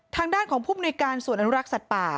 ทางด้านของภูมิในการส่วนอนุรักษ์สัตว์ป่า